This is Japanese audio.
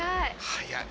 早い。